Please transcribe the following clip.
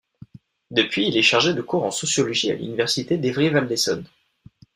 Depuis, il est chargé de cours en sociologie à l'Université d'Évry-Val-d'Essonne.